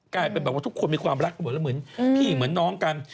กลายเป็นแบบว่าทุกคนมีความรักเหมือนพี่หญิงเหมือนน้องกัน